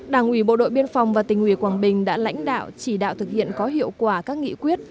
đảng ủy bộ đội biên phòng và tỉnh ủy quảng bình đã lãnh đạo chỉ đạo thực hiện có hiệu quả các nghị quyết